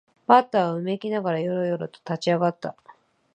バッターはうめきながらよろよろと立ち上がった